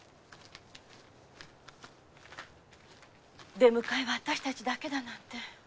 出迎えは私たちだけだなんて。